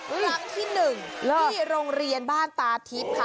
ครั้งที่๑ที่โรงเรียนบ้านตาทิพย์ค่ะ